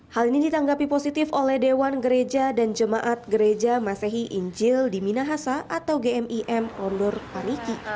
hal ini ditanggapi positif oleh dewan gereja dan jemaat gereja masehi injil di minahasa atau gmim ondor paniki